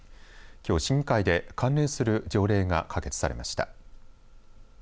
きょう市議会で関連する条例が可決されました。